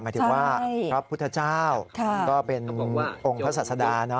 หมายถึงว่าพระพุทธเจ้าก็เป็นองค์พระศาสดา